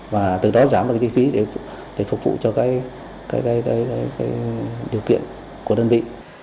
và từ đó giảm được cái chi phí để phục vụ cho cái điều kiện của đơn vị